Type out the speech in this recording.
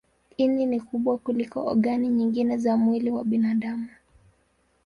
Ini ni kubwa kuliko ogani nyingine za mwili wa binadamu.